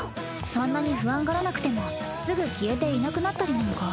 そんなに不安がらなくてもすぐ消えていなくなったりなんか。